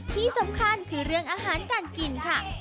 ที่สำคัญคือเรื่องอาหารการกินค่ะ